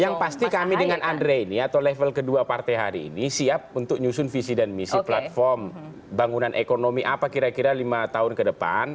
yang pasti kami dengan andre ini atau level kedua partai hari ini siap untuk nyusun visi dan misi platform bangunan ekonomi apa kira kira lima tahun ke depan